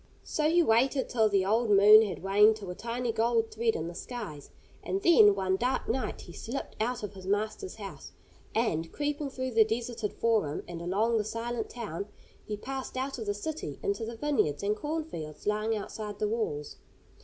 So he waited till the old moon had waned to a tiny gold thread in the skies, and then, one dark night, he slipped out of his master's house, and, creeping through the deserted forum and along the silent town, he passed out of the city into the vineyards and corn fields lying outside the walls.